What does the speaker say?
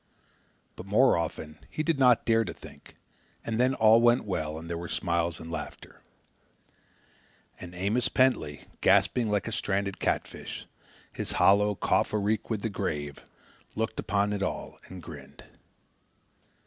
But more often he did not dare to think, and then all went well and there were smiles and laughter. And Amos Pentley, gasping like a stranded catfish, his hollow cough a reek with the grave, looked upon it all and grinned.